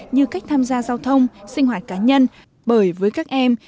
như cách tham gia giao thông sinh hoạt cá nhân bởi với các em